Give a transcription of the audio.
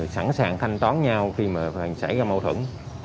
sẵn sàng thanh toán nhau khi mà xảy ra mâu thuẫn